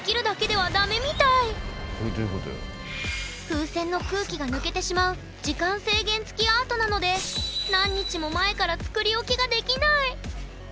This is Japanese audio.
風船の空気が抜けてしまう時間制限つきアートなので何日も前から作りおきができない。